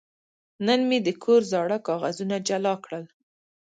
نن مې د کور زاړه کاغذونه جلا کړل.